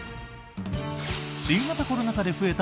新型コロナ禍で増えた